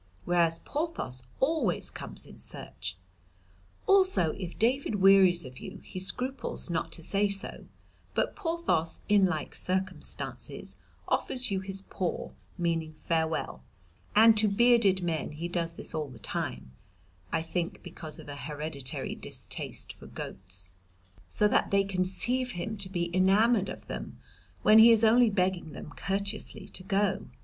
Whereas Porthos always comes in search. Also if David wearies of you he scruples not to say so, but Porthos, in like circumstances, offers you his paw, meaning 'Farewell,' and to bearded men he does this all the time (I think because of a hereditary distaste for goats), so that they conceive him to be enamoured of them when he is only begging them courteously to go.